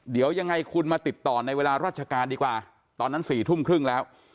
เดี๋ยวยังไงคุณมาติดต่อในเวลาราชการดีกว่าตอนนั้น๔ทุ่มครึ่งแล้ว